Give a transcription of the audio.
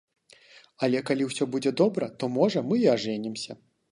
Але калі ўсё будзе добра, то, можа, мы і ажэнімся.